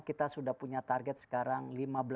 kita sudah punya target sekarang